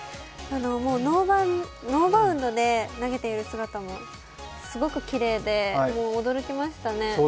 ノーバウンドで投げている姿もすごくきれいで、驚きましたね。